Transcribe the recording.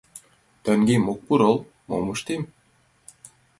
Таҥем ок пурыл, мом ыштем?